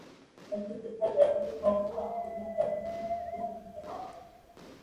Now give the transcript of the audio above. এটি যুগপৎ একাধিক command line programme চালানোর জন্যে সুবিধাজনক।